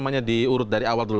namanya diurut dari awal dulu